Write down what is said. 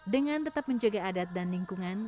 dengan tetap menjaga adat dan lingkungan